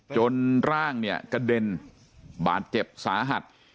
จนร่างเนี่ยกระเด็นบาดเจ็บสาหัส